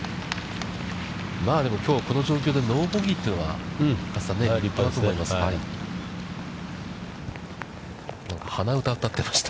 でも、きょうはこの状況でノーボギーというのは、加瀬さん、立派だと思います。